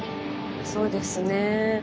そうですねぇ。